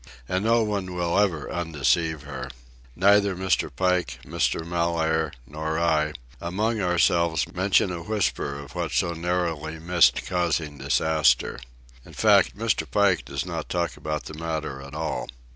And no one will ever undeceive her. Neither Mr. Pike, Mr. Mellaire, nor I, among ourselves, mention a whisper of what so narrowly missed causing disaster. In fact, Mr. Pike does not talk about the matter at all.